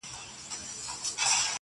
ما چي توبه وکړه اوس ناځوانه راته و ویل,